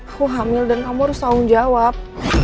aku hamil dan kamu harus tanggung jawab